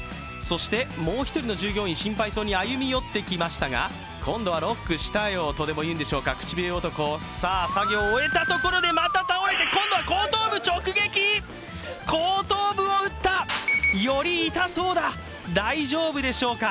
もう一人の従業員、心配そうに歩み寄ってきましたが今度はロックしたよとでもいうんでしょうか、口笛男、さあ、作業を終えたところで、また倒れて、今度は後頭部直撃後頭部を打った！より痛そうだ、大丈夫でしょうか。